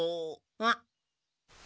あっ。